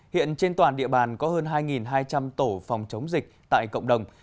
hiện trên toàn địa bàn có hơn hai hai trăm linh tổ phòng chống dịch tại cộng đồng